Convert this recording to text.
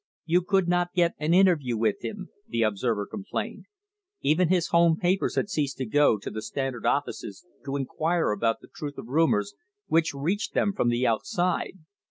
You could not get an interview with him, the observer THE WAR ON THE REBATE complained; even his home papers had ceased to go to the Standard offices to inquire about the truth of rumours which reached them from the outside.